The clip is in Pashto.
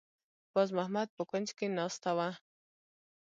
باز محمد په کونج کې ناسته وه.